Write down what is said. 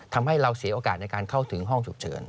ทำให้เราเสียโอกาสในการเข้าถึงห้องฉุกเฉิน